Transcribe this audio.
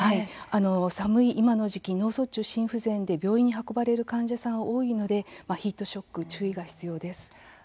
寒い今の時期脳卒中、心不全で病院に運ばれる患者さんは多いのでヒートショック、注意が必要です。